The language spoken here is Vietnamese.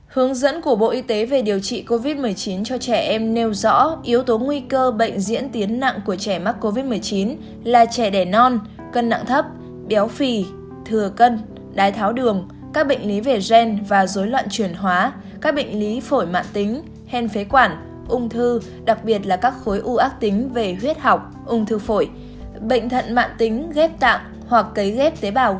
hướng dẫn của bộ y tế về điều trị covid một mươi chín cho trẻ em nêu rõ yếu tố nguy cơ bệnh diễn tiến nặng của trẻ mắc covid một mươi chín là trẻ đẻ non cân nặng thấp béo phì thừa cân đái tháo đường các bệnh lý về gen và dối loạn truyền hóa các bệnh lý phổi mạn tính hen phế quản ung thư đặc biệt là các khối ưu ác tính về huyết học ung thư phổi bệnh thận mạn tính ghép tạng dối loạn truyền hóa các bệnh lý phổi mạn tính hèn phế quản ung thư đặc biệt là các khối ưu ác